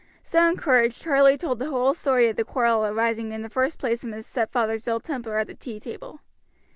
So encouraged Charlie told the whole story of the quarrel arising in the first place from his stepfather's ill temper at the tea table.